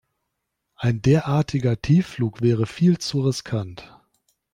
Ein derartiger Tiefflug wäre viel zu riskant.